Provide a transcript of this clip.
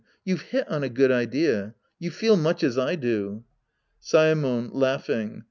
You've hit on a good idea. You feel much as I do. Saemon {Laughing).